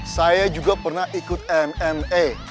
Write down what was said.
saya juga pernah ikut mma